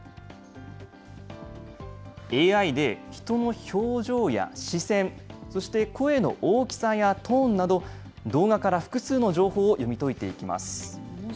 ＡＩで人の表情や視線、そして声の大きさやトーンなど、動画から複数の情報を読み解いていきます。